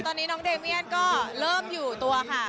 ตอนนี้น้องเดเมียนก็เริ่มอยู่ตัวค่ะ